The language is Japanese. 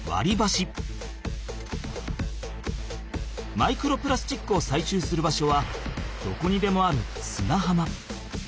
マイクロプラスチックをさいしゅうする場所はどこにでもある砂浜。